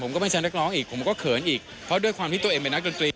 ก็ไม่ใช่นักร้องอีกผมก็เขินอีกเพราะด้วยความที่ตัวเองเป็นนักดนตรี